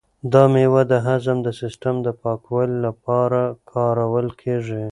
دا مېوه د هضم د سیسټم د پاکوالي لپاره کارول کیږي.